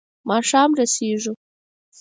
ماښام رسېږو.